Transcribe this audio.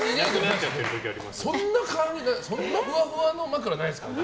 そんなふわふわの枕ないですよね。